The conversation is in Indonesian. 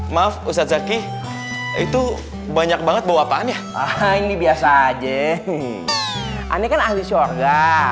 maaf ustadz zaki itu banyak banget bawa apaan ya ini biasa aja anehkan ahli syurga